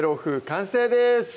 完成です